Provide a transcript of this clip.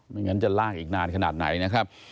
ไม่งั้นจะลากอีกนานขนาดไหนนะครับ